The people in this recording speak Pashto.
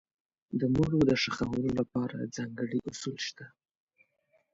د مړو د ښخولو لپاره ځانګړي اصول شته.